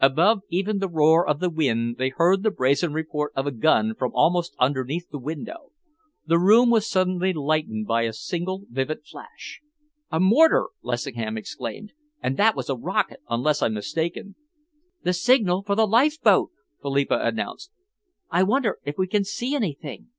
Above even the roar of the wind they heard the brazen report of a gun from almost underneath the window. The room was suddenly lightened by a single vivid flash. "A mortar!" Lessingham exclaimed. "And that was a rocket, unless I'm mistaken." "The signal for the lifeboat!" Philippa announced. "I wonder if we can see anything."